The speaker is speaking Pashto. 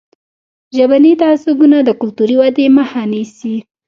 ژبني تعصبونه د کلتوري ودې مخه نیسي.